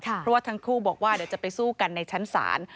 เพราะว่าทั้งคู่บอกว่าเดี๋ยวจะไปสู้กันในชั้นศาล